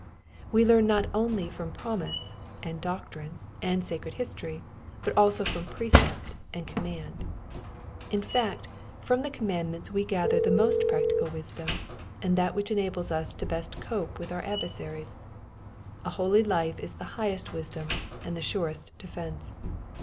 We learn not only from promise, and doctrine, and sacred history, but also from precept and command ; in fact, from the commandments we gather the most practical wisdom, and that which enables us best to cope with our adversaries. A holy life is the highest wisdom and the surest defence.